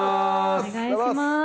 お願いします。